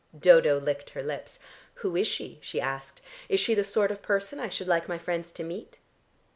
Dodo licked her lips. "Who is she?" she asked. "Is she the sort of person I should like my friends to meet?"